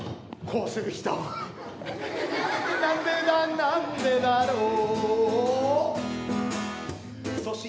「こうする人なんでだろう」